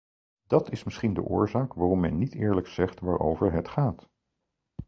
Dat is misschien de oorzaak waarom men niet eerlijk zegt waarover het gaat.